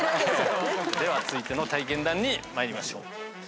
では続いての体験談に参りましょう。